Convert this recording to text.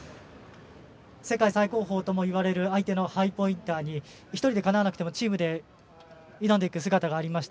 世界最高峰とも言われる相手のハイポインターに１人でかなわなくてもチームで挑んでいく姿がありました。